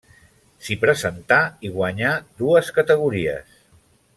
S'hi presentà i guanyà dues categories.